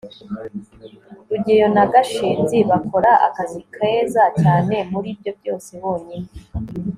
rugeyo na gashinzi bakora akazi keza cyane muribyo byose bonyine